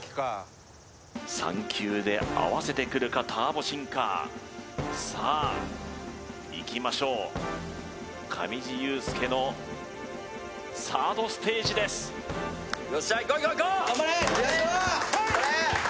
３球で合わせてくるかターボシンカーさあいきましょう上地雄輔のサードステージですよっしゃいこういこういこう！